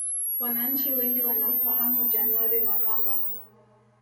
Wananchi wengi wanamfahamu January Makamba